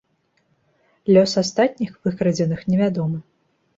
Лёс астатніх выкрадзеных невядомы.